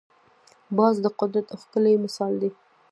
باز د قدرت ښکلی مثال دی